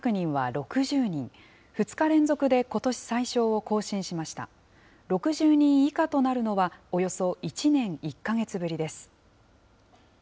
６０人以下となるのは、およそ１年１か月ぶりです。